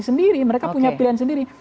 sendiri mereka punya pilihan sendiri